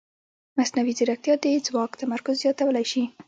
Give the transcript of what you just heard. مصنوعي ځیرکتیا د ځواک تمرکز زیاتولی شي.